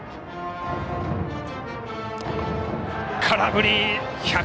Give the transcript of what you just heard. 空振り！